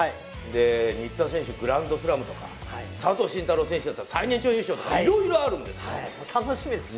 新田選手はグランドスラムとか、佐藤慎太郎選手は最年長優勝とかいろいろあるんですよ。